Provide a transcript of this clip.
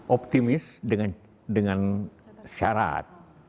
optimis dengan syarat